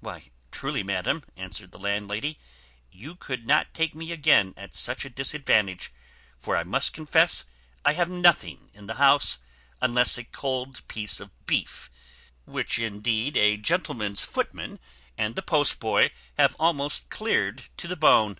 "Why, truly, madam," answered the landlady, "you could not take me again at such a disadvantage; for I must confess I have nothing in the house, unless a cold piece of beef, which indeed a gentleman's footman and the post boy have almost cleared to the bone."